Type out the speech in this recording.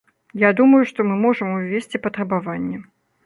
Я думаю, што мы можам увесці патрабаванне.